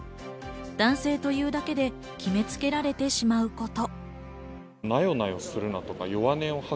男性というだけで決めつけられてしまうこと。